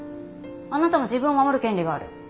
あなたも自分を守る権利がある。